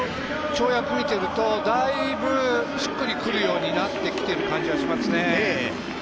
跳躍見ていてるとだいぶしっくりくるようになっている感じはしますね。